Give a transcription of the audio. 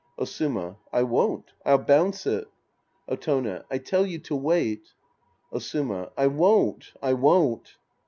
Osuma. I won't. I'll bounce it. Otone. I tell you to wait. Osuma. I won't. I won't.